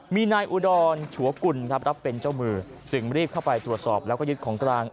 มีนายอุดรชัวกุลครับรับเป็นเจ้ามือจึงรีบเข้าไปตรวจสอบแล้วก็ยึดของกลาง